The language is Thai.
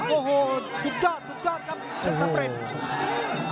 โอ้โหสุดยอดสุดยอดครับเป็นสเปรด